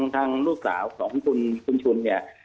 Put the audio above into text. ทางลูกสาวของคุณชุน